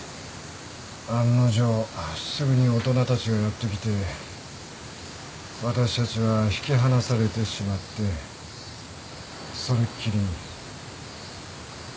案の定すぐに大人たちが寄ってきて私たちは引き離されてしまってそれっきりに。